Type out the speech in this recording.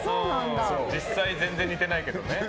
実際全然似てないけどね。